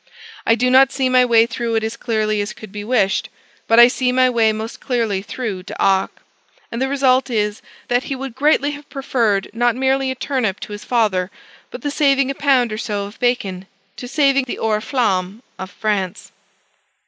I do not see my way through it as clearly as could be wished. But I see my way most clearly through D'Arc; and the result is that he would greatly have preferred not merely a turnip to his father, but the saving a pound or so of bacon to saving the Oriflamme of France.